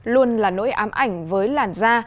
luôn là nỗi ám ảnh với làn da